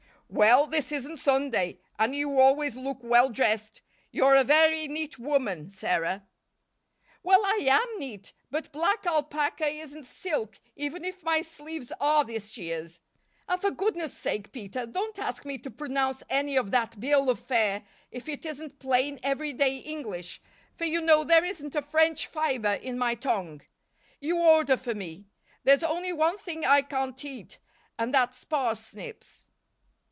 "Well, this isn't Sunday; and you always look well dressed. You're a very neat woman, Sarah." "Well I am neat, but black alpaca isn't silk even if my sleeves are this year's. And for goodness' sake, Peter, don't ask me to pronounce any of that bill of fare if it isn't plain every day English, for you know there isn't a French fiber in my tongue. You order for me. There's only one thing I can't eat and that's parsnips."